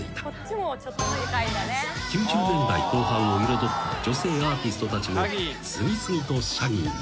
［９０年代後半を彩った女性アーティストたちも次々とシャギーに］